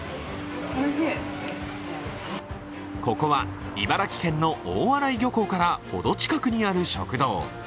ここは茨城県の大洗漁港から程近くにある食堂。